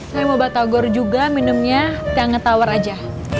saya mau batagor juga minumnya teh anget tawar aja